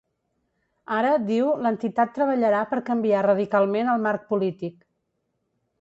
Ara, diu, l’entitat treballarà per canviar radicalment el marc polític.